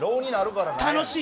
楽しい。